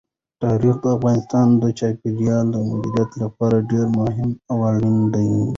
تاریخ د افغانستان د چاپیریال د مدیریت لپاره ډېر مهم او اړین دي.